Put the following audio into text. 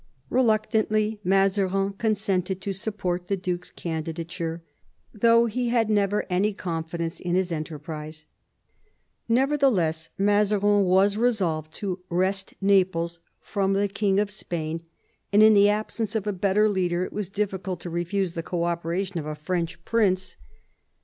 Reluctantly Mazarin consented to support the duke's candidature, though he had never any con fidence in his enterprise. Nevertheless, Mazarin was resolved to wrest Naples from the King of Spain, and in the absence of a better leader it was difficult to refuse the co operation of a French prince.